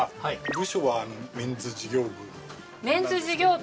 部署はメンズ事業部。